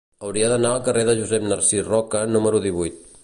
Hauria d'anar al carrer de Josep Narcís Roca número divuit.